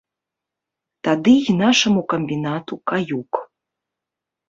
Тады і нашаму камбінату каюк.